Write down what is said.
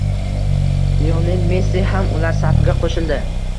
Lionel Messi ham ular safiga qo‘shildi